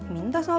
minta sama bapak